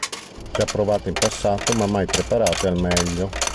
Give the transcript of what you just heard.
Già provate in passato, ma mai preparate al meglio.